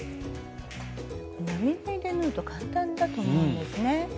並縫いで縫うと簡単だと思うんですね。